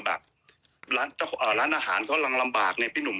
แบบเอ่อหลานอาหารเขาล้งลำบากไงพี่หนุ่ม